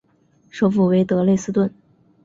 首府为德累斯顿。